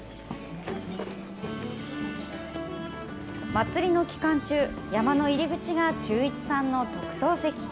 祭りの期間中、山の入り口が忠一さんの特等席。